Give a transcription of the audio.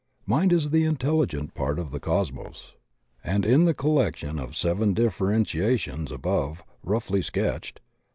Mind is the intelligent part of the Cosmos, and in the collection of seven differentiations above roughly sketched.